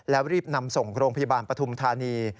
แล้วรีบนำส่งโรงพยาบาลปฐุมธานี